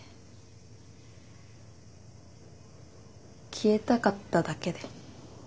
消えたかっただけで。